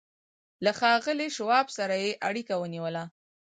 له ښاغلي شواب سره يې اړيکه ونيوه.